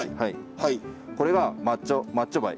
これがマッチョバイ。